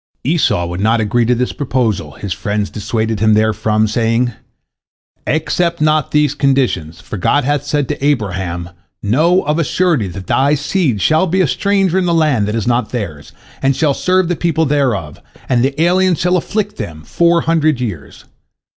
Esau would not agree to this proposal, his friends dissuaded him therefrom, saying, "Accept not these conditions, for God hath said to Abraham, Know of a surety that thy seed shall be a stranger in a land that is not theirs, and shall serve the people thereof, and the aliens shall afflict them four hundred years.